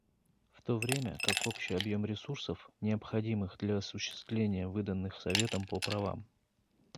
В то время как общий объем ресурсов, необходимых для осуществления выданных Советом по правам.